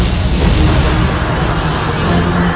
esparesnya dua orang berwarna merah